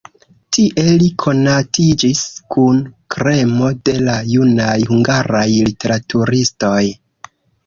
Tie li konatiĝis kun kremo de la junaj hungaraj literaturistoj.